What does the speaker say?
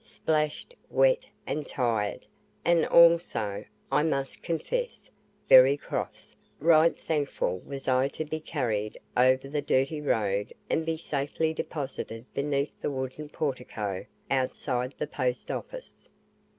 Splashed, wet and tired, and also, I must confess, very cross, right thankful was I to be carried over the dirty road and be safely deposited beneath the wooden portico outside the Post office.